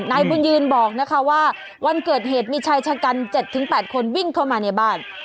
นายบุญยืนบอกนะคะว่าวันเกิดเหตุมีชายชะกัน๗๘คนวิ่งเข้ามาในบ้าน